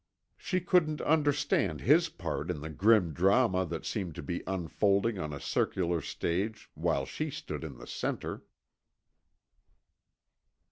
She couldn't understand his part in the grim drama that seemed to be unfolding on a circular stage while she stood in the center.